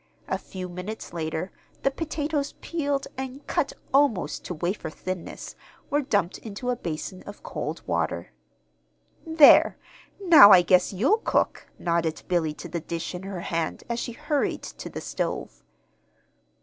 A few minutes later, the potatoes, peeled, and cut almost to wafer thinness, were dumped into a basin of cold water. "There! now I guess you'll cook," nodded Billy to the dish in her hand as she hurried to the stove.